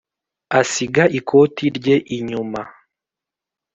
asiga ikoti rye inyuma